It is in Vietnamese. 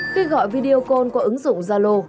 khi gọi video call có ứng dụng gia lô